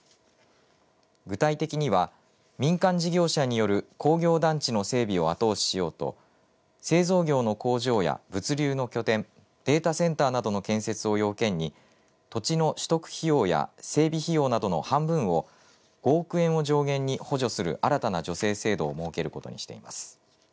具体的には、民間事業者による工業団地の整備を後押ししようと製造業の工場や物流の拠点データセンターなどの建設を要件に土地の取得費用や整備費用などの半分を５億円を上限に補助する新たな助成制度を設けることにしています。